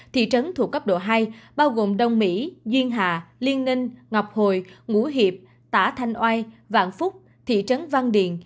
thị trấn thuộc cấp độ hai bao gồm đông mỹ duyên hà liên ninh ngọc hồi ngũ hiệp tả thanh oai vạn phúc thị trấn văn điền